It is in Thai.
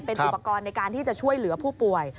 เป็นอุปกรณ์ในการที่จะช่วยเหลือผู้ป่วย